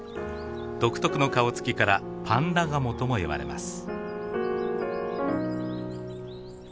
独特の顔つきから「パンダガモ」とも呼ばれます。